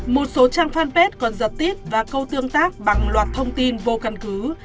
một số trang fanpage còn giật tiếp và câu tương tác bằng loạt thông tin vô căn cứ